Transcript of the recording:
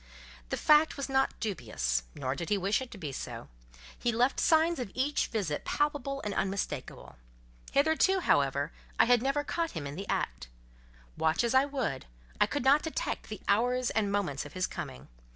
The fact was not dubious, nor did he wish it to be so: he left signs of each visit palpable and unmistakable; hitherto, however, I had never caught him in the act: watch as I would, I could not detect the hours and moments of his coming.